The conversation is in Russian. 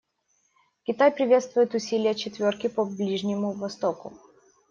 Китай приветствует усилия «четверки» по Ближнему Востоку.